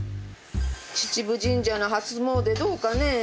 秩父神社の初詣どうかね？